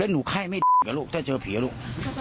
แล้วหนูไข้ไม่ถ้าเจอผีแล้วลูก